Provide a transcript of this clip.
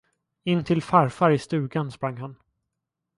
In till farfar i stugan sprang han.